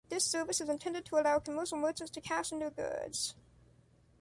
This service is intended to allow commercial merchants to cash in their goods.